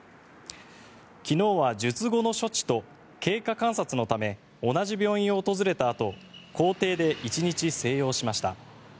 昨日は術後の処置と経過観察のため同じ病院を訪れたあと公邸で１日静養しました。